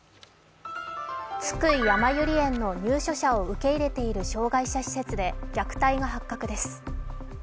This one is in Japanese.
津久井やまゆり園の入所者を受け入れている障害者施設で虐待が発覚です。